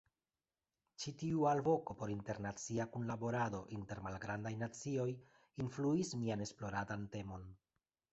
Ĉi tiu alvoko por internacia kunlaborado inter malgrandaj nacioj influis mian esploradan temon.